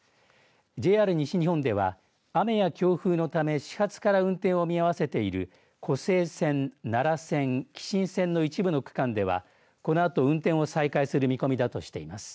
ＪＲ西日本では雨や強風のため始発から運転を見合わせている湖西線、奈良線、姫新線の一部の区間ではこのあと運転を再開する見込みだとしています。